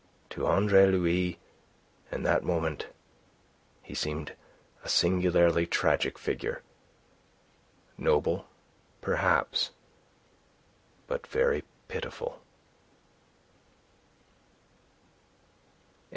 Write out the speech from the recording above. To Andre Louis in that moment he seemed a singularly tragic figure. Noble, perhaps, but very pitiful.